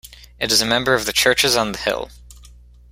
It is a member of the Churches on the Hill.